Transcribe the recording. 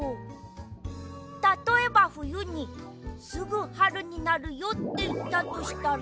たとえばふゆに「すぐはるになるよ」っていったとしたら。